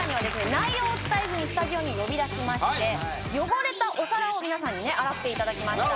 内容を伝えずにスタジオに呼び出しまして汚れたお皿を皆さんにね洗っていただきました